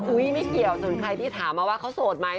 อุ๊ยไม่เกี่ยวส่วนใครที่ถามมาว่าเขาโสดไหม